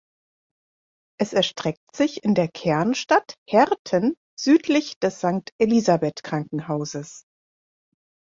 Es erstreckt sich in der Kernstadt Herten südlich des Sankt Elisabeth Krankenhauses.